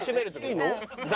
いいの？